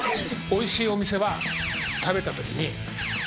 おいしいお店は食べた時に。